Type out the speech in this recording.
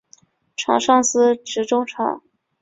场上司职中场。